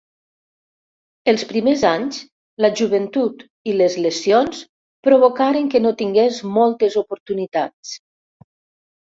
Els primers anys la joventut i les lesions provocaren que no tingués moltes oportunitats.